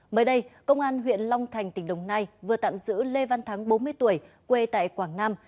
mới đây công an huyện long thành tỉnh đồng nai vừa tạm giữ lê văn thắng bốn mươi tuổi quê tại quảng nam